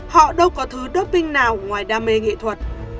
họ đâu có thứ doping nào ngoài đam mê nghệ thuật